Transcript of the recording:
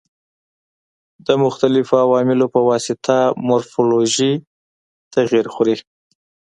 د مختلفو عواملو په واسطه مورفولوژي تغیر خوري.